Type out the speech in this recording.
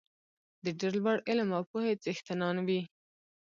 د ډېر لوړ علم او پوهې څښتنان وي.